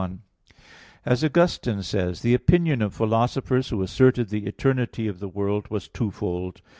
1: As Augustine says (De Civ. Dei xi, 4), the opinion of philosophers who asserted the eternity of the world was twofold.